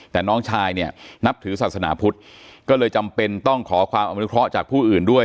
แต่น้องชายเนี่ยนับถือศาสนาพุทธก็เลยจำเป็นต้องขอความอนุเคราะห์จากผู้อื่นด้วย